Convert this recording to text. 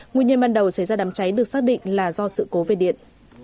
nguyên nhân ban đầu xảy ra đám cháy được xác định là do sự cố về điện